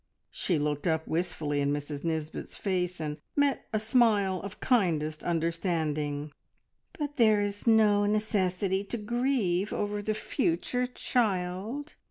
She looked up wistfully in Mrs Nisbet's face, and met a smile of kindest understanding. "But there is no necessity to grieve over the future, child!